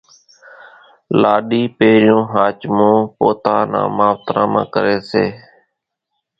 لاڏي پھريون ۿاچمون پوتا نان ماوتران مان ڪري سي۔